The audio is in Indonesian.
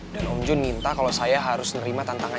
dan om jun minta kalau saya harus nerima tantangan